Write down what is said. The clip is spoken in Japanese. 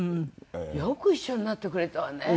よく一緒になってくれたわね。